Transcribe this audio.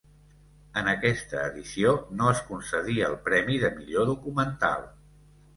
En aquesta edició no es concedí el premi de millor documental.